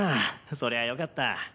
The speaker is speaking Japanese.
そりゃよかった。